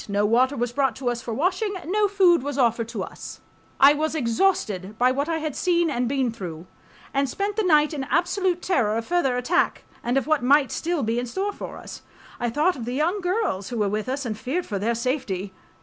No water was brought to us for washing, no food was offered to us .... I was exhausted by what I had seen and been through, and spent the night in absolute terror of further attack and of what might still be in store for us. I thought of the young girls who were with us and feared for their safety.